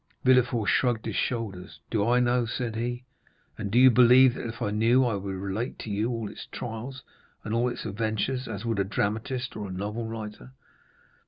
Villefort shrugged his shoulders. "Do I know?" said he; "and do you believe that if I knew I would relate to you all its trials and all its adventures as would a dramatist or a novel writer?